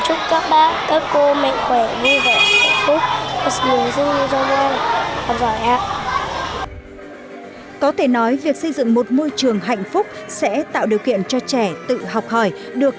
chúc các bác các cô mạnh khỏe vui vẻ hạnh phúc mừng sinh như dâu đông